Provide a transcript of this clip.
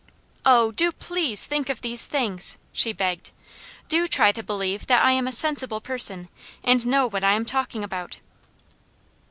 "OH DO PLEASE THINK OF THESE THINGS!" she begged. "Do try to believe that I am a sensible person, and know what I am talking about."